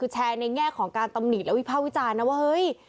แชร์ในแง่ของการตำหนิและวิภาควิจารณ์นะว่าเฮ้ย